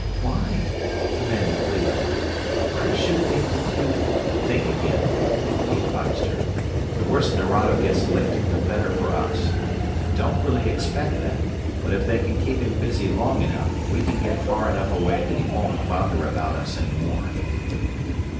"Why?" demanded Clio. "I should think that you'd...." "Think again," he advised her. "The worse Nerado gets licked the better for us. I don't really expect that, but if they can keep him busy long enough, we can get far enough away so that he won't bother about us any more."